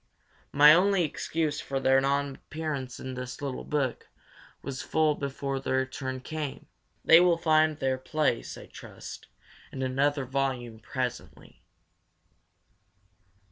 My only excuse for their non appearance is that my little book was full before their turn came. They will find their place, I trust, in another volume presently.